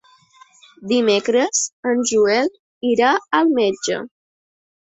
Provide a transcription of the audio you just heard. Dimecres en Joel irà al metge.